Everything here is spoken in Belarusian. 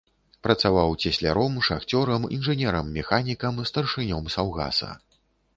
Працаваў цесляром, шахцёрам, інжынерам-механікам, старшынём саўгаса.